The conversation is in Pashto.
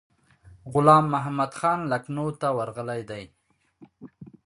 غلام محمدخان لکنهو ته ورغلی دی.